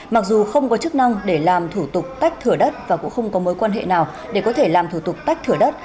mặc dù không có chức năng để làm thủ tục tách thửa đất và cũng không có mối quan hệ nào để có thể làm thủ tục tách thửa đất